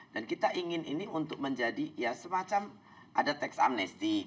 dan kita ingin ini untuk menjadi semacam ada teks amnesti